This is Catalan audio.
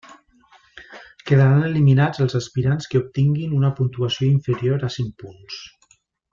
Quedaran eliminats els aspirants que obtinguin una puntuació inferior a cinc punts.